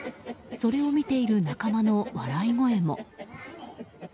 それを見ている仲間の笑い声も。